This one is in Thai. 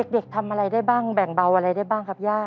เด็กทำอะไรได้บ้างแบ่งเบาอะไรได้บ้างครับย่า